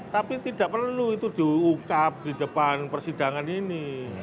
tapi tidak perlu itu diungkap di depan persidangan ini